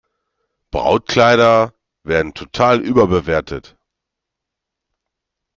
Brautkleider werden total überbewertet.